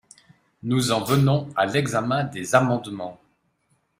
Nous en venons à l’examen des amendements.